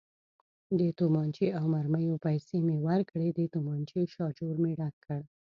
د تومانچې او مرمیو پیسې مې ورکړې، د تومانچې شاجور مې ډک کړ.